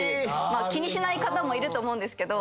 気にしない方もいると思うんですけど。